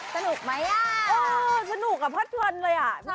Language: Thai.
สนุกไหมอ่ะเออสนุกอ่ะพัดกวนเลยมีทั้ง